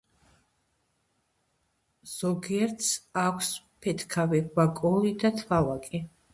ზოგიერთ აქვს მფეთქავი ვაკუოლი და თვალაკი.